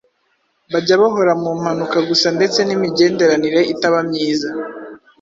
bajya bahora mu mpanuka gusa ndetse n’imigenderanire itaba myiza